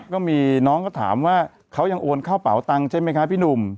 ก็มีน้องก็ถามว่าเขายังโอนเข้าเป๋าตังค์ใช่ไหมคะพี่หนุ่ม